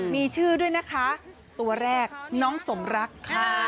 มีชื่อด้วยนะคะตัวแรกน้องสมรักค่ะ